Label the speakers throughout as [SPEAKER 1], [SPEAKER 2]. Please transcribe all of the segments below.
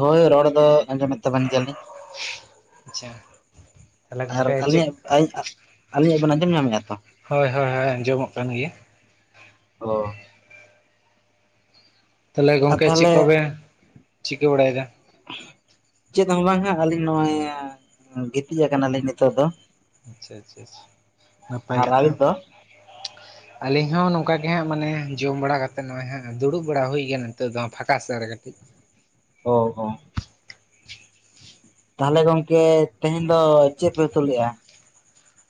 [SPEAKER 1] ᱦᱳᱭ ᱨᱚᱲ ᱫᱚ ᱟᱸᱡᱚᱢᱮᱫ ᱛᱟᱵᱚᱱ ᱜᱮᱭᱟᱞᱤᱧ,
[SPEAKER 2] ᱟᱪᱪᱷᱟ ᱛᱟᱦᱚᱞᱮ
[SPEAKER 1] ᱟᱨ
[SPEAKER 2] ᱜᱚᱝᱠᱮ ᱪᱮᱫ
[SPEAKER 1] ᱟᱹᱞᱤᱧᱟᱜ ᱟᱞᱤᱧ ᱟᱜ ᱟᱹᱞᱤᱧᱟᱜ ᱵᱮᱱ ᱟᱸᱡᱚᱢ ᱧᱟᱢᱮᱫᱟ ᱛᱚ,
[SPEAKER 2] ᱦᱳᱭ ᱦᱳᱭ ᱦᱳᱭ ᱟᱸᱡᱚᱢᱚᱜ ᱠᱟᱱ ᱜᱮᱭᱟ
[SPEAKER 1] ᱚ
[SPEAKER 2] ᱛᱟᱦᱚᱞᱮ
[SPEAKER 1] ᱟᱨ
[SPEAKER 2] ᱜᱚᱝᱠᱮ ᱪᱮᱫ
[SPEAKER 1] ᱛᱟᱦᱚᱞᱮ
[SPEAKER 2] ᱠᱚᱵᱮᱱ ᱪᱤᱠᱟᱹ ᱵᱟᱲᱟᱭᱫᱟ,
[SPEAKER 1] ᱪᱮᱫ ᱦᱚᱸ ᱵᱟᱝ ᱦᱟᱜ ᱟᱹᱞᱤᱧ ᱱᱚᱜᱼᱚᱭ ᱜᱤᱛᱤᱡ ᱟᱠᱟᱱᱟᱞᱤᱧ ᱱᱤᱛᱚᱜ ᱫᱚ,
[SPEAKER 2] ᱟᱪᱪᱷᱟ ᱟᱪᱪᱷᱟ ᱟᱪᱪᱷᱟ ᱱᱟᱯᱟᱭ
[SPEAKER 1] ᱟᱨ
[SPEAKER 2] ᱠᱟᱛᱷᱟ
[SPEAKER 1] ᱟᱹᱵᱤᱱ [inaudible]
[SPEAKER 2] ᱟᱹᱞᱤᱧ ᱦᱚᱸ ᱱᱚᱝᱠᱟ ᱜᱮ ᱦᱟᱸᱜ ᱢᱟᱱᱮ ᱡᱚᱢ ᱵᱟᱲᱟ ᱠᱟᱛᱮᱫ ᱱᱚᱜᱼᱚᱭ ᱦᱟᱸᱜ ᱫᱩᱲᱩᱵ ᱵᱟᱲᱟ ᱦᱩᱭ ᱜᱮᱭᱟ ᱱᱤᱛᱚᱜ ᱫᱚ ᱯᱷᱟᱸᱠᱟ ᱥᱮᱫ ᱨᱮ ᱠᱟᱹᱴᱤᱡ,
[SPEAKER 1] ᱳ ᱳ ᱛᱟᱦᱚᱞᱮ ᱜᱚᱢᱠᱮ ᱛᱮᱦᱮᱧ ᱫᱚ ᱪᱮᱫ ᱯᱮ ᱩᱛᱩ ᱞᱮᱫᱼᱟ,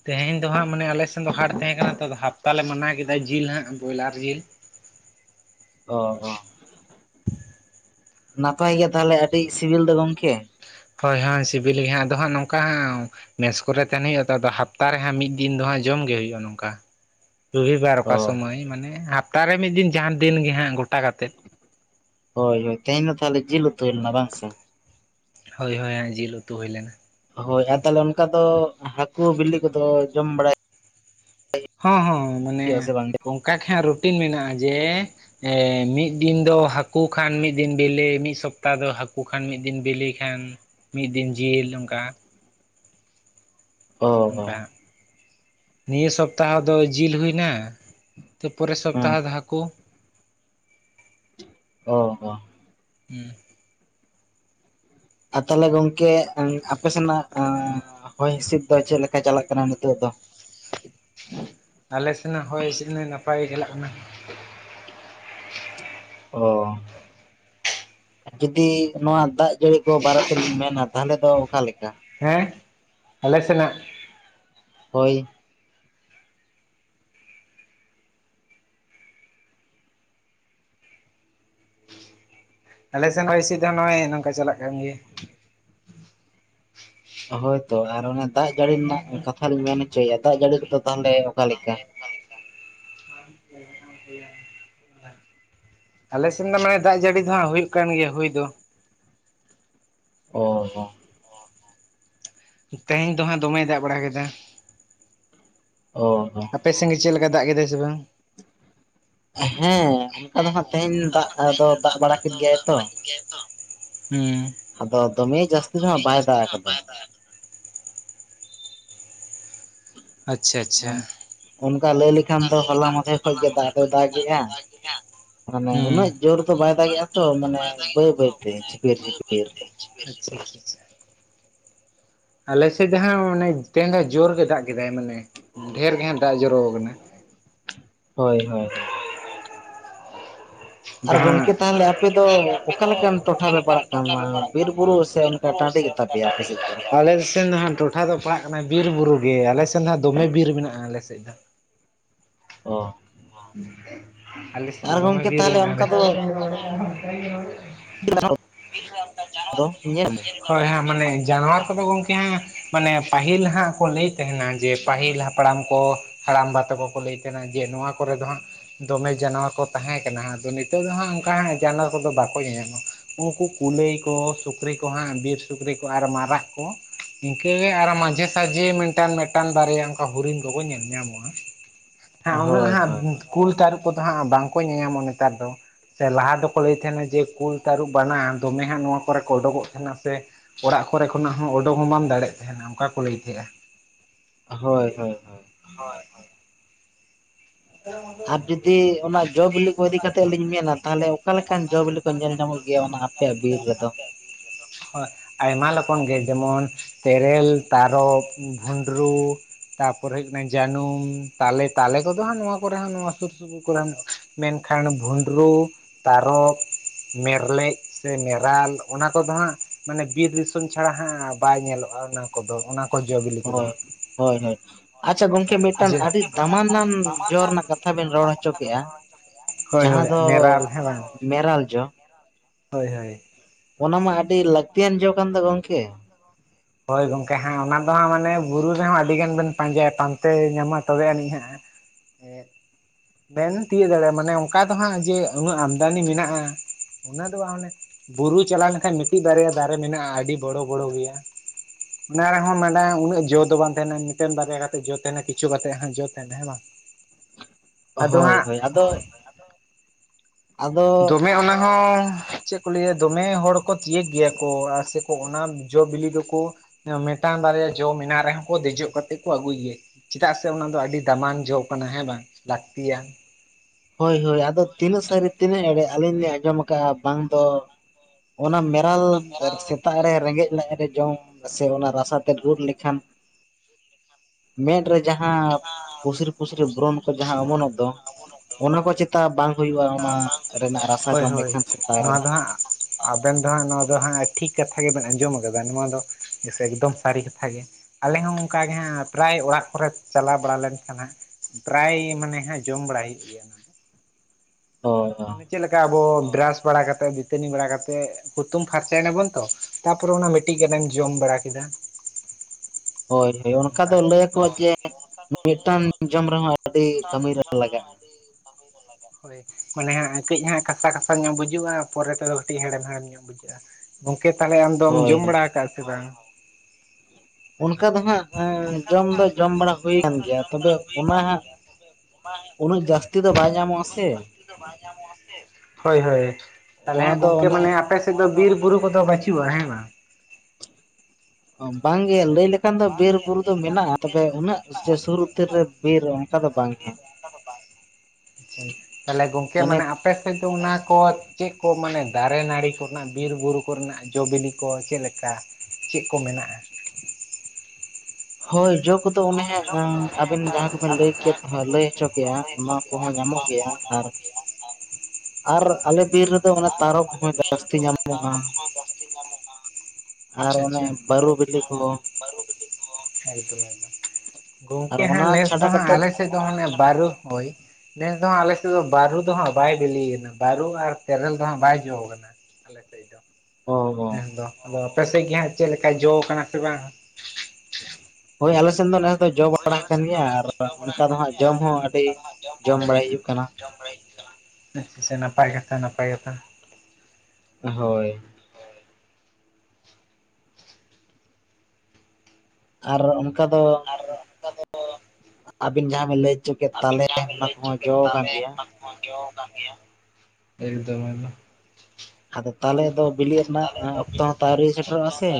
[SPEAKER 2] ᱛᱮᱦᱮᱧ ᱫᱚ ᱦᱟᱸᱜ ᱢᱟᱱᱮ ᱟᱞᱮᱥᱱ ᱫᱚ ᱦᱟᱴ ᱛᱟᱦᱮᱸ ᱠᱟᱱᱟ ᱛᱚ ᱦᱟᱯᱛᱟᱞᱮ ᱢᱟᱱᱟᱣ ᱠᱮᱫᱟ ᱡᱤᱞ ᱦᱟᱸᱜ ᱵᱚᱭᱞᱟᱨ ᱡᱤᱞ,
[SPEAKER 1] ᱚ ᱚ, ᱱᱟᱯᱟᱭ ᱜᱮ ᱛᱟᱦᱚᱞᱮ ᱟᱹᱰᱤ ᱥᱤᱵᱤᱞ ᱫᱚ ᱜᱚᱢᱠᱮ,
[SPEAKER 2] ᱦᱳᱭ ᱦᱳᱭ ᱥᱤᱵᱤᱞ ᱜᱮ ᱦᱟᱸᱜ ᱟᱫᱚ ᱦᱟᱸᱜ ᱱᱚᱝᱠᱟ ᱦᱟᱸᱜ, ᱢᱮᱥ ᱠᱚᱨᱮ ᱛᱟᱦᱮᱸᱱ ᱦᱩᱭᱩᱜᱼᱟ ᱛᱚᱫᱚ ᱦᱟᱯᱛᱟᱨ ᱨᱮ ᱦᱟᱸᱜ ᱢᱤᱫ ᱫᱤᱱ ᱫᱚ ᱦᱟᱸᱜ ᱡᱚᱢ ᱜᱮ ᱦᱩᱭᱩᱜᱼᱟ ᱱᱚᱝᱠᱟ, ᱨᱚᱵᱤᱵᱟᱨ
[SPEAKER 1] ᱚ
[SPEAKER 2] ᱚᱠᱟ ᱥᱳᱚᱢᱚᱭ ᱢᱟᱱᱮ ᱦᱟᱯᱛᱟᱨᱮ ᱢᱤᱫ ᱫᱤᱱ ᱡᱟᱦᱟᱸ ᱫᱤᱱ ᱜᱮ ᱦᱟᱸᱜ ᱜᱚᱴᱟ ᱠᱟᱛᱮᱫ,
[SPEAKER 1] ᱦᱳᱭ ᱦᱳᱭ ᱛᱮᱦᱮᱧ ᱫᱚ ᱛᱟᱦᱚᱞᱮ ᱡᱤᱞ ᱩᱛᱩ ᱞᱮᱱᱟ ᱵᱟᱝ ᱥᱮ,
[SPEAKER 2] ᱦᱳᱭ ᱦᱳᱭ ᱡᱤᱞ ᱩᱛᱩ ᱦᱩᱭ ᱞᱮᱱᱟ,
[SPEAKER 1] ᱦᱳᱭ ᱟᱨ ᱛᱟᱦᱚᱞᱮ ᱚᱱᱠᱟ ᱫᱚ ᱦᱟᱹᱠᱩ ᱵᱤᱞᱤ ᱠᱚᱫᱚ ᱡᱚᱢ ᱵᱟᱲᱟᱭ,
[SPEAKER 2] ᱦᱚᱸ ᱦᱚᱸ ᱢᱟᱱᱮ
[SPEAKER 1] ᱦᱩᱭᱩᱜᱼᱟ ᱥᱮ ᱵᱟᱝ?
[SPEAKER 2] ᱚᱱᱠᱟ ᱜᱮ ᱦᱟᱜ ᱨᱩᱴᱤᱱ ᱢᱮᱱᱟᱜᱼᱟ ᱡᱮ, ᱮ ᱢᱤᱫ ᱫᱤᱱ ᱫᱚ ᱦᱟᱠᱩ ᱠᱷᱟᱱ ᱢᱤᱫ ᱫᱤᱱ ᱵᱤᱞᱤ ᱢᱤᱫ ᱥᱚᱯᱛᱟᱦᱚ ᱫᱚ ᱦᱠᱩ ᱠᱷᱟᱱ ᱢᱤᱫ ᱫᱤᱱ ᱵᱤᱞᱤ ᱠᱷᱟᱱ, ᱢᱤᱫ ᱫᱤᱱ ᱡᱤᱞ ᱚᱱᱠᱟ,
[SPEAKER 1] ᱚ ᱚ
[SPEAKER 2] ᱚᱱᱠᱟ ᱱᱤᱭᱟᱹ ᱥᱚᱵ ᱛᱟᱦᱚ ᱫᱚ ᱡᱤᱞ ᱦᱩᱭ ᱮᱱᱟ ᱛᱟᱨᱯᱚᱨᱮ
[SPEAKER 1] ᱦᱮᱸ
[SPEAKER 2] ᱥᱚᱯᱛᱟᱦᱚ ᱫᱚ ᱦᱟᱹᱠᱩ,
[SPEAKER 1] ᱚ ᱚ,
[SPEAKER 2] ᱦᱩᱸ
[SPEAKER 1] ᱟᱨ ᱛᱟᱦᱚᱞᱮ ᱜᱚᱝᱠᱮ ᱟᱯᱮ ᱥᱮᱱᱟᱜ ᱦᱚᱭ ᱦᱤᱸᱤᱥᱤᱫ ᱫᱚ ᱪᱮᱫ ᱞᱮᱠᱟ ᱪᱟᱞᱟᱜ ᱠᱟᱱᱟ ᱱᱤᱛᱚᱜ ᱫᱚ,
[SPEAKER 2] ᱟᱞᱮ ᱥᱮᱱᱟᱜ ᱦᱚᱭ ᱦᱤᱸᱥᱤᱫ ᱱᱟᱭ ᱱᱟᱯᱟᱭ ᱜᱮ ᱪᱟᱞᱟᱜ ᱠᱟᱱᱟ,
[SPEAKER 1] ᱚ ᱡᱩᱫᱤ ᱱᱚᱣᱟ ᱫᱟᱜ, ᱡᱟᱹᱲᱤ ᱠᱚ ᱵᱟᱨᱮ ᱛᱮᱞᱤᱧ ᱢᱮᱱᱟ ᱛᱟᱦᱚᱞᱮ ᱫᱚ ᱚᱠᱟᱞ ᱞᱮᱠᱟ,
[SPEAKER 2] ᱦᱮᱸ ᱟᱞᱮ ᱥᱮᱱᱟᱜ,
[SPEAKER 1] ᱦᱳᱭ,
[SPEAKER 2] ᱟᱞᱮ ᱥᱮᱱ ᱦᱚᱭ ᱦᱤᱸᱥᱤᱫ ᱫᱚ ᱱᱚᱜᱼᱚᱭ ᱱᱚᱝᱠᱟ ᱪᱟᱞᱟᱜ ᱠᱟᱱ ᱜᱮᱭᱟ,
[SPEAKER 1] ᱦᱳᱭᱛᱚ ᱟᱨ ᱚᱱᱟ ᱫᱟᱜ ᱡᱟᱹᱲᱤ ᱨᱮᱱᱟᱜ ᱠᱟᱛᱷᱟ ᱞᱤᱧ ᱢᱮᱱ ᱦᱚᱪᱚᱭᱮᱜᱼᱟ ᱫᱟᱜ ᱡᱟᱹᱲᱤ ᱠᱚᱫᱚ ᱛᱟᱦᱚᱞᱮ ᱚᱠᱟ ᱞᱮᱠᱟ,
[SPEAKER 2] [inaudible] ᱟᱞᱮ ᱥᱮᱱ ᱫᱚ ᱢᱟᱱᱮ ᱫᱟᱜ ᱡᱟᱹᱲᱤ ᱫᱚ ᱦᱟᱜ ᱦᱩᱭᱩᱜ ᱠᱟᱱ ᱜᱮᱭᱟ ᱦᱩᱭ ᱫᱚ,
[SPEAKER 1] ᱚ ᱚ
[SPEAKER 2] ᱛᱮᱦᱮᱧ ᱫᱚ ᱦᱟᱸᱜ ᱫᱚᱢᱮᱭ ᱫᱟᱜ ᱵᱟᱲᱟ ᱠᱮᱫᱟ,
[SPEAKER 1] ᱚ
[SPEAKER 2] ᱟᱯᱮ ᱥᱮᱱᱜᱮ ᱪᱮᱫ ᱞᱮᱠᱟ ᱫᱟᱜ ᱠᱮᱫᱟᱭ ᱥᱮ ᱵᱟᱝ,
[SPEAKER 1] ᱦᱮᱸ ᱚᱱᱠᱟ ᱫᱚ ᱦᱟᱸᱜ ᱛᱮᱦᱮᱧ ᱫᱟᱜ ᱫᱚ ᱫᱟᱜ ᱵᱟᱲᱟ ᱠᱮᱫ ᱜᱮᱭᱟᱭ ᱛᱚ ᱾
[SPEAKER 2] ᱜᱮᱛᱚ ᱦᱩᱸ ᱾
[SPEAKER 1] ᱟᱫᱚ ᱫᱚᱢᱮ ᱡᱟᱹᱥᱛᱤ ᱫᱚ ᱦᱟᱸᱜ ᱵᱟᱭ ᱫᱟᱜ ᱟᱠᱟᱫᱟ ᱾
[SPEAKER 2] ᱟᱪ-ᱪᱷᱟ -ᱟᱪ-ᱪᱷᱟ ᱾
[SPEAKER 1] ᱚᱝᱠᱟ ᱞᱟᱹᱭ ᱞᱮᱠᱷᱟᱱ ᱫᱚ ᱦᱚᱞᱟ ᱢᱟᱫᱷᱮᱨ ᱠᱷᱚᱡ ᱜᱮ ᱫᱟᱜ ᱫᱚᱭ ᱫᱟᱜ ᱜᱮᱼᱟ ᱾ ᱢᱟᱱᱮ
[SPEAKER 2] ᱦᱩᱸ
[SPEAKER 1] ᱩᱱᱟᱹᱜ ᱡᱳᱨ ᱫᱚ ᱵᱟᱭ ᱫᱟᱜᱮᱜᱼᱟ ᱛᱚ ᱢᱟᱱᱮ ᱵᱟᱹᱭ ᱵᱟᱹᱭᱛᱮ ᱡᱤᱯᱤᱨ ᱡᱤᱯᱤᱨ ᱾
[SPEAKER 2] ᱡᱷᱤᱯᱤᱨ-ᱡᱷᱤᱯᱤᱨ -ᱡᱷᱤᱯᱤᱨ ᱾ [inaudible] ᱟᱞᱮᱥᱮᱫ ᱡᱟᱦᱟᱸ ᱟᱱᱮ ᱛᱮᱹᱦᱮᱹᱧ ᱫᱚ ᱡᱳᱨ ᱜᱮ ᱫᱟᱜ ᱠᱮᱫᱟᱭ ᱢᱟᱱᱮ ᱾ ᱰᱷᱮᱹᱨ ᱜᱮ ᱦᱟᱸᱜ ᱫᱟᱜ ᱡᱚᱨᱚ ᱟᱠᱟᱱᱟ ᱾
[SPEAKER 1] ᱦᱳᱭ -ᱦᱳᱭ -ᱦᱳᱭ ᱾
[SPEAKER 2] ᱟᱫᱚ
[SPEAKER 1] ᱟᱨ
[SPEAKER 2] ᱦᱟᱸᱜ
[SPEAKER 1] ᱜᱚᱝᱠᱮ ᱛᱟᱦᱞᱮ ᱟᱯᱮ ᱫᱚ ᱚᱠᱟ ᱞᱮᱠᱟᱱ ᱴᱚᱴᱷᱟ ᱯᱮ ᱯᱟᱲᱟᱜ ᱠᱟᱱᱟ ᱢᱟ ᱵᱤᱨ ᱵᱩᱨᱩ ᱥᱮ
[SPEAKER 2] ᱯᱩᱨᱩᱵ
[SPEAKER 1] ᱴᱟᱺᱰᱤ
[SPEAKER 2] ᱥᱮᱫ
[SPEAKER 1] ᱜᱮᱛᱟ ᱯᱮᱭᱟ ᱟᱯᱮ ᱥᱮᱫ ᱫᱚ
[SPEAKER 2] ᱱᱟᱠᱷᱟ ᱟᱞᱮ ᱥᱮᱱ ᱱᱟᱜ ᱴᱷᱚᱴ [unintelligible] ᱴᱚᱴᱷᱟ ᱫᱚ ᱯᱟᱲᱟᱜ ᱠᱟᱱᱟ ᱵᱤᱨ ᱵᱩᱨᱩ ᱜᱮ ᱟᱞᱮᱥᱮᱱ ᱱᱟᱜ ᱫᱚᱢᱮ ᱵᱤᱨ ᱢᱮᱱᱟᱜᱼᱟ ᱟᱞᱮᱥᱮᱫ ᱾
[SPEAKER 1] ᱚ ᱾
[SPEAKER 2] ᱟᱞᱮ ᱥᱮᱜ ᱫᱚ ᱫᱚᱢᱮ
[SPEAKER 1] ᱜᱚᱝᱠᱮ
[SPEAKER 2] ᱵᱤᱨ
[SPEAKER 1] ᱛᱟᱦᱚᱞᱮ ᱚᱱᱠᱟ
[SPEAKER 2] ᱦᱮᱱᱟᱜᱼᱟ ᱟᱞᱮ ᱥᱮᱫ ᱫᱚ ᱾ ᱚᱱᱮ ᱚᱱᱠᱟ ᱡᱟᱱᱳᱣᱟᱨ
[SPEAKER 1] ᱫᱚ ᱧᱮᱞ ᱜᱮ
[SPEAKER 2] ᱠᱚᱫᱚ ᱦᱳᱭ ᱦᱟᱸᱜ ᱢᱟᱱᱮ ᱡᱟᱱᱳᱣᱟᱨ ᱠᱚᱫᱚ ᱜᱚᱝᱠᱮ ᱦᱟᱸᱜ ᱢᱟᱱᱮ ᱯᱟᱹᱦᱤᱞ ᱦᱟᱸᱜ ᱠᱚ ᱞᱟᱹᱭ ᱛᱟᱦᱮᱱᱟ ᱡᱮ ᱯᱟᱹᱦᱤᱞ ᱦᱟᱯᱲᱟᱢ ᱠᱚ ᱦᱟᱲᱟᱢᱵᱟ ᱛᱟᱠᱚ ᱠᱚ ᱞᱟᱹᱭ ᱛᱟᱦᱮᱱᱟ ᱡᱮ ᱱᱚᱣᱟ ᱠᱚᱨᱮ ᱫᱚ ᱦᱟᱸᱜ ᱫᱚᱢᱮ ᱡᱟᱱᱚᱣᱟᱨ ᱠᱚ ᱛᱟᱦᱮᱸ ᱠᱟᱱᱟ ᱟᱫᱚ ᱱᱤᱛᱚᱜ ᱫᱚ ᱦᱟᱸᱜ ᱚᱱᱠᱟ ᱡᱟᱱᱚᱣᱟᱨ ᱠᱚᱫᱚ ᱵᱟᱠᱚ ᱧᱮᱧᱟᱢᱚᱜᱼᱟ ᱾ ᱩᱱᱠᱩ ᱠᱩᱞᱟᱹᱭ ᱠᱚ ᱥᱩᱠᱨᱤ ᱠᱚ ᱦᱟᱸᱜ ᱵᱤᱨ ᱥᱩᱠᱨᱤ ᱠᱚ ᱟᱨ ᱢᱟᱨᱟᱜ ᱠᱚ ᱾ ᱤᱱᱠᱟᱹᱜᱮ ᱟᱨᱚ ᱢᱟᱡᱷᱮ ᱥᱟᱡᱷᱮ ᱢᱤᱫᱴᱟᱱ ᱢᱤᱫᱴᱟᱱ ᱵᱟᱨᱭᱟ ᱚᱱᱠᱟ ᱦᱚᱨᱤᱱ ᱠᱚᱠᱚ ᱧᱮᱞ ᱧᱟᱢᱚᱜᱼᱟ ᱾
[SPEAKER 1] [unintelligible]
[SPEAKER 2] ᱟᱸ ᱩᱱᱟᱹᱜ
[SPEAKER 1] ᱦᱳᱭ
[SPEAKER 2] ᱦᱟᱸᱜ
[SPEAKER 1] ᱦᱳᱭ
[SPEAKER 2] ᱠᱩᱞ ᱛᱟᱹᱨᱩᱵ ᱠᱚᱫᱚ ᱦᱟᱸᱜ ᱵᱟᱝᱠᱚ ᱧᱮᱧᱟᱢᱚᱜ ᱱᱮᱛᱟᱨ ᱫᱚ ᱾ ᱥᱮ ᱞᱟᱦᱟ ᱫᱚᱠᱚ ᱞᱟᱹᱭ ᱛᱟᱦᱮᱱᱟ ᱡᱮ ᱠᱩᱞ ᱛᱟᱹᱨᱩᱵ ᱵᱟᱱᱟ ᱫᱚᱢᱮ ᱦᱟᱸᱜ ᱱᱚᱣᱟ ᱠᱚᱨᱮ ᱠᱚ ᱳᱰᱳᱠᱚᱜ ᱛᱟᱦᱮᱱᱟ ᱥᱮ ᱾ ᱚᱲᱟᱜ ᱠᱚᱨᱮ ᱠᱷᱚᱱᱟᱜ ᱦᱚᱸ ᱚᱰᱳᱠ ᱦᱚᱸ ᱵᱟᱢ ᱫᱟᱲᱮᱜ ᱛᱟᱦᱮᱱᱟ ᱚᱱᱠᱟ ᱠᱚ ᱞᱟᱹᱭ ᱠᱮᱜ ᱟ ᱾
[SPEAKER 1] ᱦᱳᱭ- ᱦᱳᱭ- ᱦᱳᱭ ᱾
[SPEAKER 2] ᱦᱚᱭ
[SPEAKER 1] ᱟᱨ ᱡᱩᱫᱤ ᱚᱱᱟ ᱡᱚ ᱵᱤᱞᱤ ᱠᱚ ᱤᱫᱤ ᱠᱟᱛᱮᱜ ᱞᱤᱧ ᱢᱮᱱᱟ ᱛᱟᱞᱦᱮ ᱚᱠᱟ ᱞᱮᱠᱟᱱ ᱡᱚ ᱵᱤᱞᱤ ᱠᱚ ᱧᱮᱞ ᱧᱟᱢᱚᱜ ᱜᱮᱭᱟ ᱚᱱᱟ ᱟᱯᱮᱭᱟ ᱵᱤᱨ ᱨᱮᱫᱚ?
[SPEAKER 2] ᱴᱤᱲᱤᱝ -ᱞᱤᱲᱤᱝ-ᱞᱤᱲᱤᱝ ᱴᱷᱚᱡ ᱾ ᱟᱭᱢᱟ ᱞᱚᱠᱚᱱ ᱜᱮ ᱡᱮᱢᱚᱱ ᱛᱮᱹᱨᱮ ᱞ ᱛᱟᱨᱚᱵ ᱵᱷᱩᱸᱰᱨᱩ ᱾ ᱛᱟᱯᱚᱨᱮ ᱦᱩᱭᱩᱜ ᱠᱟᱱᱟ ᱡᱟᱹᱱᱩᱢ ᱛᱟᱞᱮᱹ ᱛᱟᱞᱮᱹ ᱠᱚᱫᱚ ᱦᱟᱸᱜ ᱱᱚᱣᱟ ᱠᱚᱨᱮ ᱦᱚ ᱱᱚᱣᱟ ᱥᱩ ᱥᱩᱯᱩᱨ ᱠᱚᱨᱮ ᱦᱚ ᱢᱮᱱᱠᱷᱟᱱ ᱵᱷᱩᱸᱰᱨᱩ ᱛᱟᱨᱚᱵ ᱢᱮᱨᱞᱮᱡ ᱾ ᱥᱮ ᱢᱮᱨᱟᱞ ᱚᱱᱟ ᱠᱚᱫᱚ ᱦᱟᱸᱜ ᱢᱟᱱᱮ ᱵᱤᱨ ᱫᱤᱥᱚᱢ ᱪᱷᱟᱲᱟ ᱦᱟᱸᱜ ᱵᱟᱭ ᱧᱮᱞᱚᱜᱼᱟ ᱚᱱᱟ ᱠᱚᱫᱚ ᱚᱱᱟ, ᱠᱚ ᱡᱚ ᱵᱤᱞᱤ ᱠᱚᱫᱚ
[SPEAKER 1] ᱦᱳᱭ,
[SPEAKER 2] ᱦᱟᱸᱜ
[SPEAKER 1] ᱦᱳᱭ ᱦᱳᱭ ᱟᱪ-ᱪᱷᱟ ᱜᱚᱢᱠᱮ ᱢᱤᱫᱴᱟᱝ ᱦᱟᱰᱤᱫ ᱫᱟᱢᱟᱱᱟᱢ ᱡᱚ ᱨᱮᱱᱟᱜ ᱠᱟᱛᱷᱟ ᱵᱮᱱ ᱨᱚᱲ ᱦᱚᱪᱚ ᱠᱮᱜᱼᱟ
[SPEAKER 2] ᱦᱳᱭ
[SPEAKER 1] ᱡᱟᱦᱟᱸ
[SPEAKER 2] ᱦᱳᱭ
[SPEAKER 1] ᱫᱚ
[SPEAKER 2] ᱢᱮᱨᱟᱞ ᱦᱮᱸ ᱵᱟᱝ
[SPEAKER 1] ᱢᱮᱨᱟᱞ ᱡᱚ ᱾
[SPEAKER 2] ᱦᱳᱭ- ᱦᱳᱭ ᱾
[SPEAKER 1] ᱚᱱᱟ ᱢᱟ ᱟᱹᱰᱤ ᱞᱟᱹᱠᱛᱤᱭᱟᱱ ᱡᱚ ᱠᱟᱱ ᱫᱚ ᱜᱚᱢᱠᱮ?
[SPEAKER 2] ᱦᱳᱭ ᱜᱚᱝᱠᱮ ᱦᱟᱸᱜ ᱚᱱᱟ ᱫᱚ ᱦᱟᱸᱜ ᱢᱟᱱᱮ ᱵᱩᱨᱩ ᱨᱮᱦᱚᱸ ᱟᱹᱰᱤ ᱜᱟᱱ ᱵᱮᱱ ᱯᱟᱸᱡᱟᱭᱟ ᱯᱟᱱᱛᱮ ᱧᱟᱢᱟ ᱛᱚᱵᱮ ᱟᱹᱱᱤᱡ ᱦᱟᱸᱜ ᱴᱷᱤᱝ ᱻᱻ [unintelligible] ᱮᱫ, ᱾ ᱢᱮᱱ ᱛᱤᱭᱳᱜ ᱫᱟᱲᱮᱜᱼᱟ ᱢᱟᱱᱮ ᱚᱱᱠᱟ ᱫᱚ ᱦᱟᱸᱜ ᱡᱮ ᱩᱱᱟᱹᱜ ᱟᱢᱫᱟᱱᱤ ᱢᱮᱱᱟᱜᱼᱟ ᱩᱱᱟ ᱫᱚ ᱵᱟᱝᱟ ᱚᱱᱮ ᱵᱩᱨᱩ ᱪᱟᱞᱟᱣ ᱞᱮᱱᱠᱷᱟᱱ ᱢᱤᱫᱴᱤᱡ ᱵᱟᱨᱭᱟ ᱫᱟᱨᱮᱹ ᱢᱮᱱᱟᱜᱼᱟ ᱟᱹᱰᱤ ᱵᱚᱲᱚ ᱵᱚᱲᱚ ᱜᱮᱭᱟ ᱾ ᱚᱱᱟ ᱦᱚ ᱢᱮᱱᱟ ᱩᱱᱟᱹᱜ ᱡᱚ ᱫᱚ ᱵᱟᱝ ᱛᱟᱦᱮᱱᱟ ᱢᱤᱫᱴᱮᱱ ᱵᱟᱨᱭᱟ ᱠᱟᱛᱮᱜ ᱡᱚ ᱛᱟᱦᱮᱱᱟ ᱠᱤᱪᱷᱩ ᱠᱟᱛᱮᱜ ᱦᱟᱸᱜ ᱡᱚ ᱛᱟᱦᱮᱱᱟ ᱦᱮᱸ ᱵᱟᱝ ᱾
[SPEAKER 1] ᱦᱳᱭ ᱦᱳᱭ ᱟᱫᱚ ᱟᱫᱚ
[SPEAKER 2] ᱫᱚᱢᱮ ᱚᱱᱟ ᱦᱚᱸ ᱪᱮᱜ ᱠᱚ ᱞᱟᱹᱭᱟ ᱫᱚᱢᱮ ᱦᱚᱲ ᱠᱚ ᱛᱤᱭᱟᱹᱜ ᱜᱮᱭᱟ ᱠᱚ ᱟᱨ ᱥᱮᱠᱚ ᱚᱱᱟ ᱡᱚ ᱵᱤᱞᱤ ᱫᱚᱠᱚ ᱢᱤᱴᱟᱝ ᱵᱟᱨᱭᱟ ᱡᱚ ᱢᱮᱱᱟᱜ ᱨᱮᱦᱚᱸ ᱠᱚ ᱫᱮᱡᱚᱜ ᱠᱟᱛᱮᱜ ᱠᱚ ᱟᱹᱜᱩᱭ ᱜᱮᱭᱟ᱾ ᱪᱮᱫᱟᱜ ᱥᱮ ᱚᱱᱟ ᱫᱚ ᱟᱹᱰᱤ ᱫᱟᱢᱟᱱ ᱡᱚ ᱠᱟᱱᱟ ᱦᱮᱸ ᱵᱟᱝ ᱞᱟᱹᱠᱛᱤ ᱭᱟᱱ᱾
[SPEAKER 1] ᱦᱳᱭ ᱦᱳᱭ ᱟᱫᱚ ᱛᱤᱱᱟᱹᱜ ᱥᱟᱹᱨᱤ ᱛᱤᱱᱟᱹᱜ ᱮᱲᱮ ᱟᱹᱞᱤᱧ ᱞᱤᱧ ᱟᱸᱡᱚᱢ ᱟᱠᱟᱜᱼᱟ ᱵᱟᱝ ᱫᱚ ᱚᱱᱟ ᱢᱮ ᱨᱟᱞ ᱥᱮᱛᱟᱜ ᱨᱮ ᱨᱮᱸᱜᱮᱡ ᱞᱟᱡ ᱨᱮ ᱡᱚᱢ ᱥᱮ ᱚᱱᱟ ᱨᱟᱥᱟᱛᱮᱫ ᱩᱫ ᱞᱮᱠᱷᱟᱱ ᱢᱮᱫ ᱨᱮ ᱡᱟᱦᱟ ᱯᱩᱥᱨᱤ ᱯᱩᱥᱨᱤ ᱵᱳᱨᱳᱱ ᱠᱚ ᱡᱟᱸᱦᱟ ᱚᱢᱚᱱᱚᱜ ᱫᱚ ᱚᱱᱟ ᱠᱚ ᱪᱮᱛᱟ ᱵᱟᱝ
[SPEAKER 2] ᱚᱱᱟ ᱠᱚ
[SPEAKER 1] ᱦᱩᱭᱩᱜᱼᱟ
[SPEAKER 2] ᱪᱮᱠᱟ
[SPEAKER 1] ᱚᱱᱟ
[SPEAKER 2] ᱵᱟᱝ ᱦᱩᱭᱩᱜᱼᱟ
[SPEAKER 1] ᱨᱮᱱᱟᱜ ᱨᱟᱥᱟ
[SPEAKER 2] ᱦᱳᱭ
[SPEAKER 1] ᱡᱚᱢ
[SPEAKER 2] ᱦᱳᱭ
[SPEAKER 1] ᱞᱮᱠᱷᱟᱱ ᱥᱮᱛᱟᱜ ᱨᱮ
[SPEAKER 2] ᱚᱱᱟ ᱫᱚ ᱦᱟᱸᱜ ᱟᱵᱮᱱ ᱫᱚ ᱦᱟᱸᱜ ᱱᱚᱣᱟ ᱠᱚᱫᱚ ᱦᱟᱸᱜ ᱴᱷᱤᱠ ᱠᱟᱛᱷᱟ ᱜᱮᱵᱮᱱ ᱟᱸᱡᱚᱢ ᱠᱟᱫᱟ ᱱᱚᱣᱟ ᱫᱚ ᱮᱠᱫᱚᱢ ᱥᱟᱹᱨᱤ ᱠᱟᱛᱷᱟ ᱜᱮ᱾ ᱟᱞᱮ ᱦᱚᱸ ᱚᱱᱠᱟ ᱜᱮ ᱦᱟᱸᱜ ᱯᱮᱨᱟᱭ ᱚᱲᱟᱜ ᱠᱚᱨᱮᱜ ᱪᱟᱞᱟ ᱵᱟᱲᱟ ᱞᱮᱱᱠᱷᱟᱱ ᱦᱟᱸᱜ ᱯᱮᱨᱟᱭ ᱢᱟᱱᱮ ᱦᱟᱸᱜ ᱡᱚᱢ ᱵᱟᱲᱟᱭ ᱦᱩᱭᱩᱜ ᱜᱮᱭᱟ᱾
[SPEAKER 1] ᱦᱳᱭ
[SPEAKER 2] ᱢᱟᱱᱮ ᱪᱮᱫ ᱞᱮᱠᱟ ᱟᱵᱚ ᱵᱮᱨᱟᱥ ᱵᱟᱲᱟ ᱠᱟᱛᱮᱜ ᱫᱟᱹᱛᱟᱹᱱᱤ ᱵᱟᱲᱟ ᱠᱟᱛᱮᱜ ᱦᱩᱛᱩᱢ ᱯᱷᱟᱨᱪᱟᱭ ᱟᱵᱚᱱ ᱛᱚ ᱛᱟᱯᱚᱨᱮ ᱚᱱᱟ ᱢᱤᱫᱴᱤᱡ ᱜᱟᱱᱮᱢ ᱡᱚᱢ ᱵᱟᱲᱟ ᱠᱮᱫᱟ᱾
[SPEAKER 1] ᱦᱳᱭ ᱦᱳᱭ ᱚᱱᱠᱟ ᱫᱚ ᱞᱟᱹᱭ ᱟᱠᱚᱣᱟ ᱡᱮ ᱢᱤᱫᱴᱟᱝ ᱡᱚᱢ ᱨᱮᱦᱚᱸ ᱟᱹᱰᱤ
[SPEAKER 2] ᱢᱤᱜᱴᱟᱝ
[SPEAKER 1] ᱠᱟᱹᱢᱤᱨᱮ
[SPEAKER 2] ᱡᱚᱢ ᱨᱮᱦᱚ
[SPEAKER 1] [inaudible]
[SPEAKER 2] ᱦᱳᱭ ᱢᱟᱱᱮ ᱦᱟᱸᱜ ᱠᱟᱹᱡ ᱦᱟᱸᱜ ᱠᱟᱥᱟ ᱠᱟᱥᱟ ᱧᱚᱜ ᱵᱩᱡᱩᱜᱼᱟ᱾ ᱯᱚᱨᱮ ᱛᱮᱫᱚ ᱠᱟᱹᱴᱤᱡ ᱦᱮᱲᱮᱢ ᱦᱮᱲᱮᱢ ᱧᱚᱜ ᱵᱩᱡᱷᱟᱹᱜᱼᱟ᱾ ᱜᱚᱝᱠᱮ ᱛᱟᱦᱞᱮ ᱟᱢ ᱫᱚᱢ
[SPEAKER 1] ᱦᱳᱭ
[SPEAKER 2] ᱡᱚᱢ ᱵᱟᱲᱟ ᱟᱠᱟᱜᱼᱟ ᱥᱮ ᱵᱟᱝ?
[SPEAKER 1] ᱚᱱᱠᱟ ᱫᱚ ᱦᱟᱸᱜ ᱡᱚᱢ ᱫᱚ ᱡᱚᱢ ᱵᱟᱲᱟ ᱦᱩᱭ ᱠᱟᱱ ᱜᱮᱭᱟ ᱛᱚᱵᱮ ᱚᱱᱟ ᱦᱟᱸᱜ ᱩᱱᱟᱹᱜ ᱡᱟᱹᱥᱛᱤ ᱫᱚ ᱵᱟᱭ ᱧᱟᱢᱚᱜᱼᱟ
[SPEAKER 2] ᱩᱱᱟᱜ ᱩᱱᱟᱜ
[SPEAKER 1] ᱥᱮ
[SPEAKER 2] ᱡᱟᱥᱛᱤ ᱫᱚ ᱵᱟᱭ ᱧᱟᱢᱚᱜᱼᱟ ᱥᱮ ᱦᱳᱭ ᱦᱳᱭ ᱛᱟᱦᱞᱮ
[SPEAKER 1] ᱚᱱᱟ
[SPEAKER 2] ᱦᱮᱞᱟᱸᱜ
[SPEAKER 1] ᱫᱚ
[SPEAKER 2] ᱜᱚᱝᱠᱮ
[SPEAKER 1] ᱚᱱᱮ
[SPEAKER 2] ᱢᱟᱱᱮ ᱟᱯᱮ ᱥᱮᱫ ᱫᱚ ᱵᱤᱨ ᱵᱩᱨᱩ ᱠᱚᱫᱚ ᱵᱟᱪᱩᱜᱼᱟ ᱦᱮᱸ ᱵᱟᱝ᱾
[SPEAKER 1] ᱚ ᱵᱟᱝ ᱜᱮ ᱞᱟᱹᱭ ᱞᱮ ᱠᱷᱟᱱ ᱫᱚ ᱵᱤᱨ ᱵᱩᱨᱩ ᱫᱚ ᱢᱮᱱᱟᱜᱼᱟ ᱛᱚᱵᱮ ᱩᱱᱟᱹᱜ ᱥᱩᱨ ᱩᱛᱟᱹᱨ ᱨᱮ ᱵᱤᱨ ᱚᱱᱠᱟ ᱫᱚ ᱵᱟᱝ ᱦᱟᱸᱜ
[SPEAKER 2] ᱟᱪᱪᱷᱟ ᱛᱟᱦᱞᱮ ᱜᱚᱝᱠᱮ ᱢᱟᱱᱮ ᱟᱯᱮ ᱥᱮᱫ ᱫᱚ ᱚᱱᱟ ᱠᱚ ᱪᱮᱫ ᱠᱚ ᱢᱟᱱᱮ ᱫᱟᱨᱮ ᱱᱟᱹᱲᱤ ᱠᱚᱨᱮᱱᱟᱜ ᱵᱤᱨ ᱵᱩᱨᱩ ᱠᱚᱨᱮᱱᱟᱜ ᱡᱚ ᱵᱤᱞᱤ ᱠᱚ ᱪᱮᱫ ᱞᱮᱠᱟ᱾ ᱪᱮᱫ ᱠᱚ ᱢᱮᱱᱟᱜᱼᱟ᱾
[SPEAKER 1] ᱦᱳᱭ ᱡᱚ ᱠᱚᱫᱚ ᱚᱱᱮ ᱦᱟᱸᱜ ᱟᱵᱮᱱ ᱡᱟᱦᱟᱸ ᱠᱚᱵᱮᱱ ᱞᱟᱹᱭ ᱞᱟᱹᱭ ᱦᱚᱪᱚ ᱠᱮᱼᱟ ᱚᱱᱟ ᱠᱚᱦᱚᱸ ᱧᱟᱢᱚᱜ ᱜᱮᱭᱟ ᱟᱨ [inaudible] ᱟᱨ ᱟᱞᱮ ᱵᱤᱨ ᱨᱮᱫᱚ ᱚᱱᱮ ᱛᱟᱨᱚᱵ ᱦᱚᱸ ᱡᱟᱹᱥᱛᱤ ᱧᱟᱢᱚᱜᱼᱟ᱾ ᱟᱨ
[SPEAKER 2] ᱟᱪᱪᱷᱟ
[SPEAKER 1] ᱚᱱᱮ
[SPEAKER 2] ᱟᱪᱪᱷᱟ
[SPEAKER 1] ᱵᱟᱹᱨᱩ ᱵᱤᱞᱤ
[SPEAKER 2] ᱟᱨ
[SPEAKER 1] ᱠᱚ
[SPEAKER 2] ᱚᱱᱟ ᱵᱟᱨᱩ ᱵᱤᱞᱤ ᱠᱚ
[SPEAKER 1] ᱟᱨ
[SPEAKER 2] ᱜᱚᱝᱠᱮ
[SPEAKER 1] ᱚᱱᱟ
[SPEAKER 2] ᱦᱟᱸᱜ ᱱᱮᱥ ᱫᱚ
[SPEAKER 1] ᱪᱷᱟᱰᱟ
[SPEAKER 2] ᱦᱟᱸᱜ
[SPEAKER 1] ᱠᱟᱛᱮᱫ
[SPEAKER 2] ᱟᱞᱮ ᱥᱮᱫ ᱫᱚ ᱮ ᱵᱟᱨᱩ ᱦᱳᱭ ᱱᱮᱥ ᱫᱚᱦᱟᱸᱜ ᱟᱞᱮᱥᱮᱫ ᱫᱚ ᱵᱟᱹᱨᱩ ᱫᱚᱦᱟᱸᱜ ᱵᱟᱭ ᱵᱤᱞᱤᱭ ᱠᱟᱱᱟ ᱵᱟᱹᱨᱩ ᱟᱨ ᱛᱮᱨᱮᱞ ᱫᱚᱦᱟᱸᱜ ᱵᱟᱭ ᱡᱚ ᱟᱠᱟᱱᱟ᱾ ᱟᱞᱮ ᱥᱮᱫ ᱫᱚ
[SPEAKER 1] ᱚ
[SPEAKER 2] ᱱᱮᱥ ᱫᱚ ᱟᱫᱚ ᱟᱯᱮ ᱥᱮᱫ ᱜᱮ ᱦᱟᱸᱜ ᱪᱮᱫ ᱞᱮᱠᱟᱭ ᱡᱚ ᱠᱟᱱᱟ ᱥᱮ ᱵᱟᱝ
[SPEAKER 1] ᱦᱳᱭ ᱟᱞᱮᱱ ᱫᱚ ᱱᱮᱥ ᱫᱚ ᱡᱚ ᱵᱟᱲᱟ ᱟᱠᱟᱱ ᱜᱮᱭᱟ ᱟᱨ ᱚᱱᱠᱟ ᱫᱚ ᱦᱟᱸᱜ ᱡᱚᱢ ᱦᱚᱸ ᱟᱹᱰᱤ ᱡᱚᱢ ᱵᱟᱲᱟᱭ ᱦᱩᱭᱩᱜ ᱠᱟᱱᱟ᱾
[SPEAKER 2] ᱡᱚᱢ ᱵᱟᱲᱟᱭ ᱦᱩᱭᱩᱜ ᱠᱟᱱᱟ ᱱᱟᱯᱟᱭ ᱠᱟᱛᱷᱟ ᱱᱟᱯᱟᱭ ᱠᱟᱛᱷᱟ
[SPEAKER 1] ᱦᱳᱭ ᱟᱨ ᱚᱱᱠᱟ ᱫᱚ ᱟᱹᱵᱤᱱ ᱡᱟᱦᱟᱸ ᱵᱤᱱ ᱞᱟᱹᱭ ᱦᱚᱪᱚ ᱠᱮᱫ ᱛᱟᱞᱮ ᱚᱱᱟ ᱠᱚᱦᱚᱸ ᱡᱚ ᱠᱟᱱ ᱜᱮᱭᱟ᱾
[SPEAKER 2] ᱡᱚ ᱠᱟᱱ ᱜᱮᱭᱟ ᱮᱠᱫᱚᱢ ᱮᱠᱫᱚᱢ
[SPEAKER 1] ᱟᱫᱚ ᱛᱟᱦᱚᱞᱮ ᱫᱚ ᱵᱤᱞᱤᱜ ᱨᱮᱱᱟᱜ ᱚᱠᱛᱚ ᱦᱚᱸ ᱛᱚ ᱟᱣᱨᱤ ᱥᱮᱴᱮᱨᱚᱜ ᱟ ᱥᱮ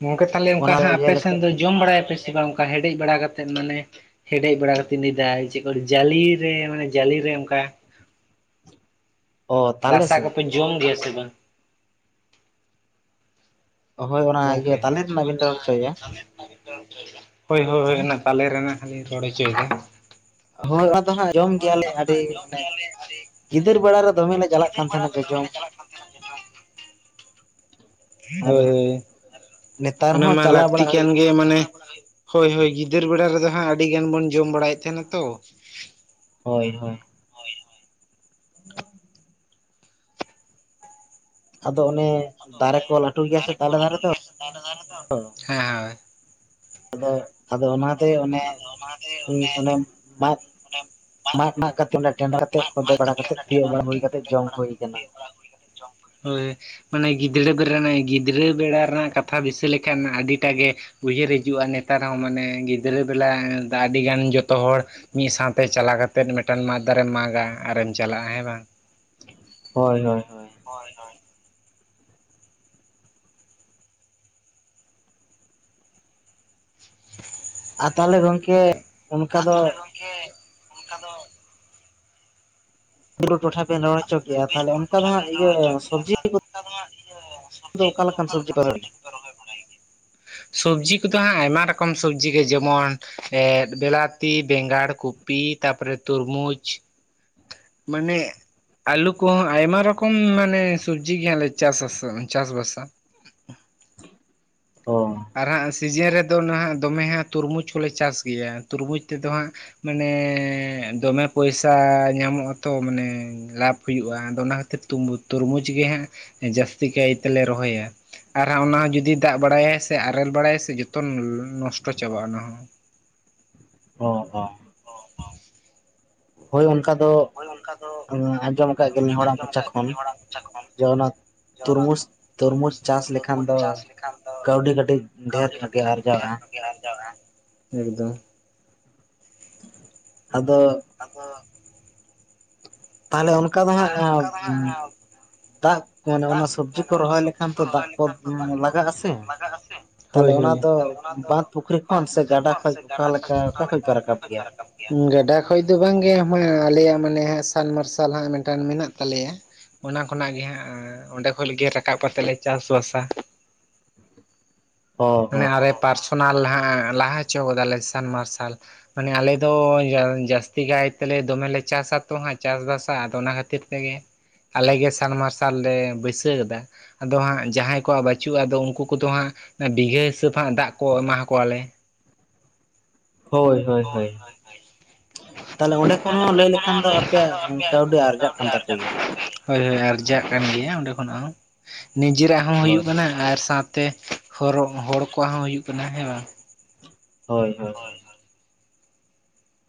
[SPEAKER 2] ᱜᱚᱝᱠᱮ ᱛᱟᱦᱞᱮ ᱚᱱᱠᱟ
[SPEAKER 1] ᱚᱱᱟ ᱫᱚ
[SPEAKER 2] ᱦᱟᱜ ᱟᱯᱮ ᱥᱮᱱ
[SPEAKER 1] ᱡᱮᱞᱮᱠᱟ
[SPEAKER 2] ᱫᱚ ᱡᱚᱢ ᱵᱟᱲᱟᱭᱟ ᱯᱮ ᱥᱮ ᱵᱟᱝ ᱚᱱᱠᱟ ᱦᱮᱰᱮᱡ ᱵᱟᱲᱟ ᱠᱟᱛᱮᱫ ᱢᱟᱱᱮ ᱦᱮᱰᱮᱡ ᱵᱟᱲᱟ ᱠᱟᱛᱮᱧ ᱞᱟᱹᱭᱫᱟ ᱪᱮᱫ ᱠᱚ ᱡᱟᱹᱞᱤᱨᱮ ᱢᱟᱱᱮ ᱡᱟᱹᱞᱤᱨᱮ ᱚᱝᱠᱟ
[SPEAKER 1] ᱚ ᱛᱟᱞᱮ
[SPEAKER 2] ᱨᱟᱥᱟ
[SPEAKER 1] ᱥᱮ
[SPEAKER 2] ᱠᱚᱯᱮ ᱡᱚᱢ ᱜᱮᱭᱟ ᱥᱮ ᱵᱟᱝ?
[SPEAKER 1] ᱦᱳᱭ ᱚᱱᱟ
[SPEAKER 2] ᱜᱚᱝᱠᱮ?
[SPEAKER 1] ᱤᱭᱟᱹ ᱛᱟᱞᱮ ᱨᱮᱱᱟᱜ ᱵᱮᱱ ᱨᱚᱲ ᱦᱚᱪᱚᱭᱮᱭᱟ?
[SPEAKER 2] ᱦᱳᱭ ᱦᱳᱭ ᱚᱱᱟ ᱛᱟᱞᱮ ᱨᱮᱱᱟᱜ ᱦᱟᱸᱞᱤᱧ ᱨᱚᱲ ᱦᱚᱪᱚᱭᱮᱫᱟ᱾
[SPEAKER 1] ᱦᱳᱭ ᱟᱫᱚ ᱦᱟᱸᱜ ᱡᱚᱢ ᱜᱮᱭᱟᱞᱮ ᱟᱹᱰᱤ ᱢᱟᱱᱮ ᱜᱤᱫᱟᱹᱨ ᱵᱮᱲᱟ ᱨᱮ ᱫᱚᱢᱮ ᱞᱮ ᱪᱟᱞᱟᱜ ᱠᱟᱱ ᱛᱟᱦᱮᱸᱱᱟ ᱡᱚᱡᱚᱢ᱾ [unintelligible] ᱟᱨ
[SPEAKER 2] ᱦᱳᱭ
[SPEAKER 1] ᱱᱮᱛᱟᱨ
[SPEAKER 2] ᱚᱱᱟ
[SPEAKER 1] ᱦᱚᱸ
[SPEAKER 2] ᱢᱟ
[SPEAKER 1] ᱪᱟᱞᱟᱣ
[SPEAKER 2] ᱞᱟᱹᱠᱛᱤ
[SPEAKER 1] ᱵᱟᱲᱟᱜ
[SPEAKER 2] ᱠᱟᱱ
[SPEAKER 1] ᱦᱩᱭᱩᱜ
[SPEAKER 2] ᱜᱮ ᱢᱟᱱᱮ ᱦᱳᱭ ᱦᱳᱭ ᱜᱤᱫᱟᱹᱨ ᱵᱮᱲᱟ ᱨᱮᱫᱚ ᱦᱟᱸᱜ ᱟᱹᱰᱤ ᱜᱟᱱ ᱵᱚᱱ ᱡᱚᱢ ᱵᱟᱲᱟᱭᱮᱫ ᱛᱟᱦᱮᱸᱱᱟ ᱛᱚ,
[SPEAKER 1] ᱦᱳᱭ ᱦᱳᱭ᱾ ᱟᱫᱚ ᱚᱱᱮ ᱫᱟᱨᱮ ᱠᱚ ᱞᱟᱹᱴᱩ ᱜᱮᱭᱟ ᱥᱮ ᱛᱟᱞᱮ ᱫᱟᱨᱮ ᱛᱚ
[SPEAKER 2] ᱦᱮᱸ ᱦᱮᱸ ᱦᱚᱭ᱾
[SPEAKER 1] ᱟᱫᱚ ᱟᱫᱚ ᱚᱱᱟᱛᱮ ᱚᱱᱮ ᱚᱱᱮ ᱢᱟᱫ ᱢᱟᱫ ᱢᱟᱜ ᱠᱟᱛᱮ ᱠᱮ ᱴᱮᱸᱰᱟᱨ ᱠᱟᱛᱮᱮᱫ ᱠᱚᱸᱫᱮ ᱵᱟᱲᱟ ᱠᱟᱛᱮᱫ ᱛᱤᱭᱳ ᱵᱟᱝ ᱦᱩᱭ ᱠᱟᱛᱮᱮᱫ ᱡᱚᱢ ᱦᱩᱭ ᱠᱟᱱᱟ᱾
[SPEAKER 2] ᱦᱳᱭ᱾ ᱢᱟᱱᱮ ᱜᱤᱫᱽᱨᱟᱹ ᱵᱮᱲᱟ ᱨᱮ ᱜᱤᱫᱽᱨᱟᱹ ᱵᱮᱲᱟ ᱨᱮᱱᱟᱜ ᱠᱟᱛᱷᱟ ᱫᱤᱥᱟᱹ ᱞᱮᱠᱷᱟᱱ ᱟᱹᱰᱤ ᱴᱟᱜ ᱜᱮ ᱩᱭᱦᱟᱹᱨ ᱦᱤᱡᱩᱜᱼᱟ ᱱᱮᱛᱟᱨ ᱦᱚᱸ ᱢᱟᱱᱮ ᱜᱤᱫᱽᱨᱟᱹ ᱵᱮᱞᱟ ᱟᱹᱰᱤᱜᱟᱱ ᱡᱚᱛᱚ ᱦᱚᱲ ᱢᱤᱫ ᱥᱟᱶᱛᱮ ᱪᱟᱞᱟᱣ ᱠᱟᱛᱮᱜ ᱢᱤᱫᱴᱟᱝ ᱢᱟᱫ ᱫᱟᱨᱮᱢ ᱢᱟᱜᱟ ᱟᱨᱮᱢ ᱪᱟᱞᱟᱜᱼᱟ ᱦᱮᱸ ᱵᱟᱝ?
[SPEAKER 1] ᱦᱳᱭ ᱦᱳᱭ ᱦᱳ
[SPEAKER 2] ᱦᱳᱭ ᱦᱳᱭ᱾ [inaudible]
[SPEAKER 1] ᱟᱨ ᱛᱟᱦᱚᱞᱮ ᱜᱚᱢᱠᱮ
[SPEAKER 2] ᱟᱨ ᱛᱟᱦᱚᱞᱮ ᱜᱚᱢᱠᱮ ᱚᱝᱠᱟ ᱫᱚ
[SPEAKER 1] ᱵᱩᱨᱩ ᱴᱚᱴᱷᱟ ᱵᱮᱱ ᱨᱚᱲ ᱦᱚᱪᱚ ᱠᱮᱜᱼᱟ, ᱛᱟᱦᱞᱮ ᱚᱱᱠᱟ ᱫᱚ ᱦᱟᱸᱜ ᱤᱭᱟᱹ ᱥᱚᱵᱡᱤ ᱠᱚ
[SPEAKER 2] ᱚᱝᱠᱟ ᱫᱚ ᱱᱟᱜ ᱤᱭᱟᱹ ᱥᱚᱵᱡᱤ ᱠᱚ ᱫᱚ ᱚᱠᱟ ᱞᱮᱠᱟᱱ ᱥᱚᱵᱡᱤ ᱠᱚ
[SPEAKER 1] [inaudible]
[SPEAKER 2] ᱥᱚᱵᱡᱤ ᱠᱚ ᱫᱚ ᱦᱟᱸᱜ ᱟᱭᱢᱟ ᱨᱚᱠᱚᱢ ᱥᱚᱵᱡᱤ ᱜᱮ ᱡᱮᱢᱚᱱ ᱮᱫ ᱵᱮᱞᱟᱛᱤ, ᱵᱮᱸᱜᱟᱲ, ᱠᱩ ᱯᱤ ᱛᱟᱯᱚ ᱨᱮ ᱛᱩᱨᱢᱩᱪᱽ ᱢᱟᱱᱮ ᱟᱞᱩ ᱠᱚᱦᱚᱸ ᱟᱭᱢᱟ ᱨᱚᱠᱚᱢ ᱢᱟᱱᱮ ᱥᱚᱵᱡᱤ ᱜᱮ ᱦᱟᱸᱜᱞᱮ ᱪᱟᱥᱟ ᱪᱟᱥ ᱵᱟᱥᱟ᱾
[SPEAKER 1] ᱚ᱾
[SPEAKER 2] ᱟᱨ ᱦᱟᱸᱜ ᱥᱤᱡᱤᱱ ᱨᱮᱫᱚ ᱱᱟᱦᱟᱸᱜ ᱫᱚᱢᱮ ᱦᱟᱸᱜ ᱛᱩᱨᱢᱩᱡᱽ ᱠᱚᱞᱮ ᱪᱟᱥ ᱜᱮᱭᱟ ᱛᱩᱨᱢᱩᱡᱽ ᱛᱮ ᱫᱚ ᱦᱟᱸᱜ ᱢᱟᱱᱮ ᱫᱚᱢᱮ ᱯᱚᱭᱥᱟ ᱧᱟᱢᱚᱜ ᱟᱛᱚ ᱢᱟᱱᱮ ᱞᱟᱵᱷ ᱦᱩᱭᱩᱜᱼᱟ ᱟᱫᱚ ᱚᱱᱟ ᱠᱷᱟᱹᱛᱤᱨ ᱛᱩᱨᱢᱩᱡᱽ ᱜᱮ ᱦᱟᱸᱜ ᱡᱟᱹᱥᱛᱤ ᱠᱟᱭ ᱛᱮ ᱞᱮ ᱨᱚᱦᱚᱭᱟ᱾ ᱟᱨ ᱦᱚᱸ ᱚᱱᱟ ᱡᱩᱫᱤ ᱫᱟᱜ ᱵᱟᱲᱟᱭᱟᱭ ᱥᱮ ᱟᱨᱮᱞ ᱵᱟᱲᱟᱭᱟᱭ ᱥᱮ ᱡᱷᱚᱛᱚ ᱱᱚᱥᱴᱚ ᱪᱟᱵᱟᱜᱼᱟ ᱚᱱᱟ ᱦᱚᱸ᱾
[SPEAKER 1] ᱚ, ᱚ᱾
[SPEAKER 2] [unintelligible]
[SPEAKER 1] ᱦᱳᱭ ᱚᱱᱠᱟ ᱫᱚ
[SPEAKER 2] ᱦᱳᱭ ᱚᱱᱠᱟ ᱫᱚ
[SPEAKER 1] ᱟᱸᱡᱚᱢ ᱟᱠᱟᱫ ᱜᱮᱭᱟᱞᱤᱧ ᱦᱚᱲᱟᱜ
[SPEAKER 2] ᱟᱸᱡᱚᱢ
[SPEAKER 1] ᱢᱚᱪᱟ
[SPEAKER 2] ᱟᱠᱟᱜ ᱜᱮ
[SPEAKER 1] ᱠᱷᱚᱱ
[SPEAKER 2] ᱟᱹᱰᱤ ᱦᱚᱲᱟᱜ ᱢᱚᱪᱟ ᱠᱷᱚᱱ
[SPEAKER 1] ᱡᱮ ᱚᱱᱟ
[SPEAKER 2] ᱡᱮ ᱚᱱᱟ
[SPEAKER 1] ᱛᱩᱨᱢᱩᱡᱽ
[SPEAKER 2] ᱛᱩᱨᱢᱩᱡᱽ
[SPEAKER 1] ᱪᱟᱥ ᱞᱮᱠᱷᱟᱱ
[SPEAKER 2] ᱛᱩᱨᱢᱩᱡᱽ
[SPEAKER 1] ᱫᱚ
[SPEAKER 2] ᱪᱟᱥ ᱞᱮᱠᱷᱟᱱ ᱫᱚ
[SPEAKER 1] ᱠᱟᱹᱣᱰᱤ ᱠᱟᱹᱴᱤᱡ ᱰᱷᱮᱨ
[SPEAKER 2] ᱠᱟᱹᱣᱰᱤ
[SPEAKER 1] ᱧᱚᱜ ᱜᱮ
[SPEAKER 2] ᱠᱟᱴᱤᱡ ᱰᱷᱮᱨ
[SPEAKER 1] ᱟᱨᱡᱟᱣᱼᱟ
[SPEAKER 2] ᱜᱮ ᱟᱨᱡᱟᱣᱟ, ᱮᱠᱫᱚᱢ᱾
[SPEAKER 1] ᱟᱫᱚ
[SPEAKER 2] ᱟᱫᱚ
[SPEAKER 1] ᱛᱟᱦᱞᱮ ᱚᱱᱠᱟ ᱫᱚ ᱦᱟᱸᱜ ᱫᱟᱜ ᱠᱚ ᱢᱟᱱᱮ ᱚᱱᱟ ᱥᱚᱵᱽᱡᱤ ᱠᱚ ᱨᱚᱦᱚᱭ ᱞᱮᱠᱷᱟᱱ ᱛᱚ ᱫᱟᱜ ᱠᱚ ᱩᱸ ᱞᱟᱜᱟᱜ ᱟᱥᱮ ᱾
[SPEAKER 2] ᱦᱳᱭ
[SPEAKER 1] ᱛᱟᱦᱞᱮ ᱚᱱᱟ
[SPEAKER 2] ᱦᱳᱭ
[SPEAKER 1] ᱫᱚ ᱵᱟᱸᱫ ᱯᱩᱠᱷᱨᱤ ᱠᱷᱚᱱ ᱥᱮ ᱜᱟᱰᱟ ᱠᱷᱚᱡ ᱚᱠᱟ ᱞᱮᱠᱟ ᱚᱠᱟ ᱠᱷᱚᱡ ᱯᱮ ᱨᱟᱠᱟᱵ ᱜᱮᱭᱟ?
[SPEAKER 2] ᱜᱟᱰᱟ ᱠᱷᱚᱡ ᱫᱚ ᱵᱟᱝ ᱜᱮ ᱢᱟ ᱟᱞᱮᱭᱟᱜ ᱢᱟᱱᱮ ᱦᱟᱜ ᱥᱟᱞ ᱢᱟᱨᱥᱟᱞ ᱦᱟᱜ ᱢᱮ ᱴᱟᱱ ᱢᱮᱱᱟᱜ ᱛᱟᱞᱮᱭᱟ, ᱚᱱᱟ ᱠᱷᱚᱱᱟᱜ ᱜᱮ ᱦᱟᱸᱜ ᱚᱸᱰᱮ ᱠᱷᱚᱞ ᱜᱮ ᱨᱟᱠᱟᱵ ᱠᱟᱛᱮ ᱞᱮ ᱪᱟᱥ ᱵᱟᱥᱟ ᱾
[SPEAKER 1] ᱚ ᱚ
[SPEAKER 2] ᱢᱟᱱᱮ ᱟᱞᱮ ᱯᱟᱨᱥᱚᱱᱟᱞ ᱦᱟᱜ ᱞᱟᱦᱟ ᱦᱚᱪᱚ ᱠᱟᱫᱟᱞᱮ ᱥᱟᱱ ᱢᱟᱨᱥᱟᱞ ᱾ ᱢᱟᱱᱮ ᱟᱞᱮ ᱫᱚ ᱡᱟᱹ ᱡᱟᱹᱥᱛᱤ ᱠᱟᱭ ᱛᱮ ᱞᱮ ᱫᱚᱢᱮ ᱪᱟᱥᱟ ᱛᱚ ᱦᱟᱸᱜ ᱪᱟᱥ ᱵᱟᱥᱟ, ᱟᱫᱚ ᱚᱱᱟ ᱠᱷᱟᱹᱛᱤᱨ ᱛᱮ ᱜᱮ ᱟᱞᱮ ᱥᱟᱱ ᱢᱟᱨᱥᱟᱞ ᱞᱮ ᱵᱟᱹᱭ ᱥᱟᱹᱣ ᱠᱟᱫᱟ ᱾ ᱟᱫᱚ ᱦᱟᱸᱜ ᱡᱟᱦᱟᱸᱭ ᱠᱚᱣᱟᱜ ᱵᱟᱹᱪᱩᱜᱼᱟ, ᱟᱫᱚ ᱩᱝᱠᱩ ᱠᱚ ᱫᱚ ᱦᱟᱸᱜ ᱚᱱᱟ ᱵᱤᱜᱷᱟᱹ ᱦᱤᱥᱟᱹᱵᱽ ᱦᱟᱸᱜ ᱫᱟᱜ ᱠᱚ ᱮᱢᱟ ᱟᱠᱚᱣᱟ ᱞᱮ ᱾ ᱦᱳᱭ, ᱦᱳᱭ, ᱦᱳᱭ ᱾
[SPEAKER 1] ᱛᱟᱦᱞᱮ ᱚᱸᱰᱮ ᱠᱷᱚᱱ ᱦᱚᱸ ᱞᱟᱹᱭ ᱞᱮᱠᱷᱟᱱ ᱫᱚ ᱟᱯᱮᱭᱟᱜ ᱠᱟᱹᱣᱰᱤ ᱟᱨᱡᱟᱜ ᱠᱟᱱ ᱛᱟᱯᱮ ᱜᱮᱭᱟ ᱾
[SPEAKER 2] ᱦᱳᱭ ᱦᱳᱭ, ᱟᱨᱡᱟᱜ ᱠᱟᱱ ᱜᱮᱭᱟ ᱚᱸᱰᱮ ᱠᱷᱚᱱᱟᱜ ᱦᱚᱸ, ᱱᱤᱡᱮ ᱨᱟᱜ ᱦᱚᱸ
[SPEAKER 1] ᱦᱳᱭ
[SPEAKER 2] ᱦᱩᱭᱩᱜ ᱠᱟᱱᱟ ᱟᱨ ᱥᱟᱶ ᱛᱮ ᱦᱚᱨᱚᱜ ᱦᱚᱲ ᱠᱚᱣᱟᱜ ᱦᱚᱸ ᱦᱩᱭᱩᱜ ᱠᱟᱱᱟ ᱦᱮᱸ ᱵᱟᱝ ᱾
[SPEAKER 1] ᱦᱳᱭ, ᱦᱳᱭ ᱾
[SPEAKER 2] ᱦᱳᱭ, ᱦᱳᱭ ᱾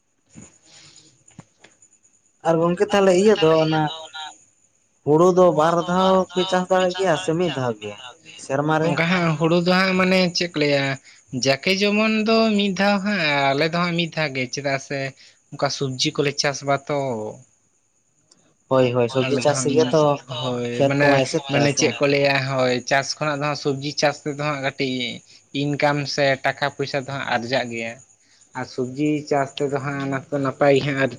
[SPEAKER 2] [inaudible]
[SPEAKER 1] ᱟᱨ ᱜᱚᱝᱠᱮ ᱛᱟᱦᱚᱞᱮ ᱤᱭᱟᱹ ᱫᱚ ᱚᱱᱟ ᱦᱳᱲᱳ ᱫᱚ ᱵᱟᱨ ᱫᱷᱟᱣ ᱯᱮ ᱪᱟᱥ ᱫᱟᱲᱮᱭᱟᱜ ᱜᱮᱭᱟ ᱥᱮ ᱢᱤᱫ ᱫᱷᱟᱣ ᱜᱮ ᱥᱮᱨᱢᱟᱨ ᱨᱮ?
[SPEAKER 2] ᱦᱳᱲᱳ ᱫᱚ ᱦᱟᱸᱜ ᱢᱟᱱᱮ ᱪᱮᱫ ᱠᱚ ᱞᱟᱹᱭᱟ! ᱡᱟᱠᱮ ᱡᱮᱢᱚᱱ ᱫᱚ ᱢᱤᱫ ᱫᱷᱟᱣ ᱦᱟᱜ, ᱟᱨ ᱟᱞᱮ ᱫᱚ ᱦᱟᱸᱜ ᱢᱤᱫ ᱫᱷᱟᱣ ᱜᱮ ᱪᱮᱫᱟᱜ ᱥᱮ, ᱚᱝᱠᱟ ᱥᱚᱵᱽᱡᱤ ᱠᱚᱞᱮ ᱪᱟᱥ ᱵᱟᱛᱚ ᱾
[SPEAKER 1] ᱦᱳᱭ ᱦᱳᱭ ᱥᱚᱵᱽᱡᱤ
[SPEAKER 2] ᱟᱞᱮ ᱫᱚ
[SPEAKER 1] ᱪᱟᱥ
[SPEAKER 2] ᱦᱟᱢᱻ
[SPEAKER 1] ᱜᱮ ᱛᱚ
[SPEAKER 2] ᱦᱳᱭ
[SPEAKER 1] ᱠᱷᱮᱛ
[SPEAKER 2] ᱢᱟᱱᱮ
[SPEAKER 1] ᱠᱚᱢᱟᱭ ᱮᱥᱮᱫ ᱠᱟᱜᱼᱟ
[SPEAKER 2] ᱢᱟᱱᱮ
[SPEAKER 1] ᱥᱮ
[SPEAKER 2] ᱪᱮᱫ ᱠᱚ ᱞᱟᱹᱭᱟ, ᱦᱳᱭ! ᱪᱟᱥ ᱠᱷᱚᱱᱟᱜ ᱫᱚ ᱦᱟᱜ ᱥᱚᱵᱽᱡᱤ ᱪᱟᱥ ᱛᱮ ᱫᱚ ᱦᱟᱸᱜ ᱠᱟᱹᱴᱤᱡ ᱤᱱᱠᱟᱢ ᱥᱮ ᱴᱟᱠᱟ ᱯᱚᱭᱥᱟ ᱫᱚ ᱦᱟᱸᱜ ᱟᱨᱡᱟᱜ ᱜᱮᱭᱟ ᱾ ᱟᱨ ᱥᱩᱵᱡᱤ ᱪᱟᱥ ᱛᱮ ᱫᱚ ᱦᱟᱸᱜ ᱚᱱᱟ ᱫᱚ ᱱᱟᱯᱟᱭ ᱜᱮ ᱦᱟᱸᱜ ᱟᱨ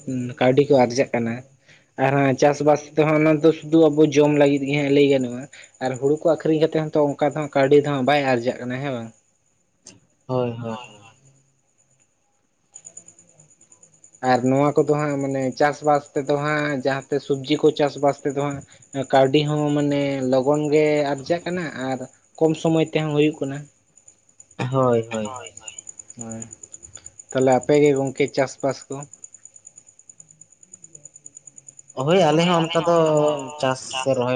[SPEAKER 2] ᱠᱟᱹᱣᱰᱤ ᱠᱚ ᱟᱨᱡᱟᱜ ᱠᱟᱱᱟ ᱾ ᱟᱨ ᱦᱮᱸ ᱪᱟᱥ ᱵᱟᱥ ᱛᱮ ᱦᱚᱸ ᱚᱱᱟ ᱫᱚ ᱥᱩᱫᱩ ᱟᱵᱚ ᱡᱚᱢ ᱞᱟᱹᱜᱤᱫ ᱜᱮ ᱦᱟᱜ ᱞᱟᱹᱭ ᱜᱟᱱᱚᱜᱼᱟ ᱾ ᱟᱨ ᱦᱩᱲᱩ ᱠᱚ ᱟᱹᱷᱨᱤᱧ ᱠᱟᱛᱮ ᱦᱚᱸ ᱛᱚ ᱚᱝᱠᱟ ᱫᱚ ᱦᱟᱸᱜ ᱠᱟᱹᱣᱰᱤ ᱫᱚ ᱦᱟᱜ ᱵᱟᱭ ᱟᱨᱡᱟᱜ ᱠᱟᱱᱟ ᱦᱮᱸ ᱵᱟᱝ ᱾
[SPEAKER 1] ᱦᱳᱭ, ᱦᱳᱭ ᱾
[SPEAKER 2] ᱟᱨ ᱱᱚᱣᱟ ᱠᱚ ᱫᱚ ᱦᱟᱸᱜ ᱢᱟᱱᱮ ᱪᱟᱥ ᱵᱟᱥ ᱛᱮ ᱫᱚ ᱦᱟᱸᱜ ᱡᱟᱦᱟᱸ ᱛᱮ ᱥᱩᱵᱽᱡᱤ ᱠᱚ ᱪᱟᱥ ᱵᱟᱥ ᱛᱮ ᱫᱚ ᱦᱟᱸᱜ ᱠᱟᱹᱣᱰᱤ ᱦᱚᱸ ᱢᱟᱱᱮ ᱞᱚᱜᱚᱱ ᱜᱮ ᱟᱨᱡᱟᱜ ᱠᱟᱱᱟ ᱟᱨ ᱠᱚᱢ ᱥᱚᱢᱚᱭ ᱛᱮᱦᱚᱸ ᱦᱩᱭᱩᱜ ᱠᱟᱱᱟ। ᱦᱳᱭ, ᱦᱳᱭ, ᱦᱳᱭ! ᱛᱟᱦᱞᱮ ᱟᱯᱮ ᱜᱮ ᱜᱚᱝᱠᱮ ᱪᱟᱥᱼᱵᱟᱥ ᱠᱚ?
[SPEAKER 1] ᱦᱳᱭ ᱟᱞᱮ ᱦᱚᱸ ᱚᱱᱠᱟ ᱫᱚ ᱪᱟᱥ ᱨᱚᱦᱚᱭ